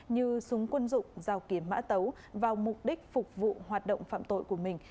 như súng quân dụng dao kiếm mã tấu vào mục đích phục vụ hoạt động phạm tội của mình